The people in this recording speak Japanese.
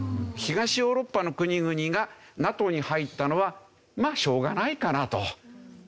東ヨーロッパの国々がＮＡＴＯに入ったのはまあしょうがないかなと。